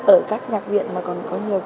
ở các nhạc viện mà còn